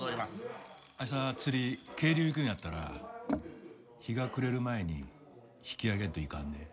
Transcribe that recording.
明日釣り渓流行くんやったら日が暮れる前に引き揚げんといかんで。